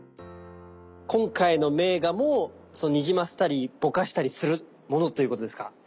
今回の名画もにじませたりぼかしたりするものということですか？